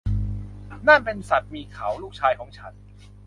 นั่นเป็นสัตว์มีเขา ลูกชายของฉัน